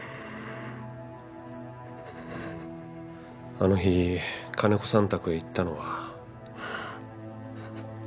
あの日金子さん宅へ行ったのは？